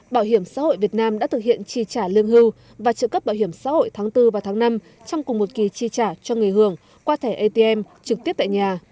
bảo hiểm xã hội việt nam đã thực hiện tri trả lương hưu và trợ cấp bảo hiểm xã hội tháng bốn và tháng năm trong cùng một kỳ tri trả cho người hưởng qua thẻ atm trực tiếp tại nhà